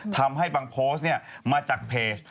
ทำให้บางโพสต์มาจากเพจ